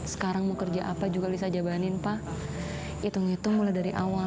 sekarang mau kerja apa juga bisa jabanin pak hitung hitung mulai dari awal